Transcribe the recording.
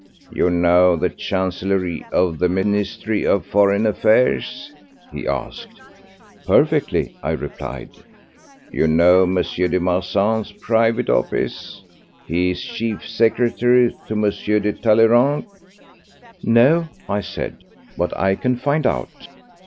"You know the Chancellerie of the Ministry of Foreign Affairs?" he asked. "Perfectly," I replied. "You know M. de Marsan's private office? He is chief secretary to M. de Talleyrand." "No," I said, "but I can find out."